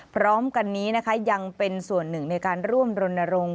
พร้อมกันนี้นะคะยังเป็นส่วนหนึ่งในการร่วมรณรงค์